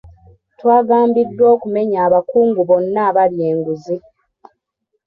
Twagambiddwa okumenya abakungu bonna abalya enguzi.